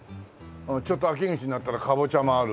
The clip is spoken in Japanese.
ちょっと秋口になったらカボチャもある。